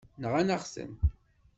Nɣan-aɣ-ten.